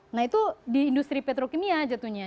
nah itu di industri petrokimia jatuhnya